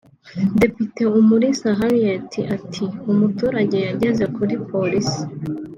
Depite Umulisa Henriette ati « umuturage yageze kuri Polisi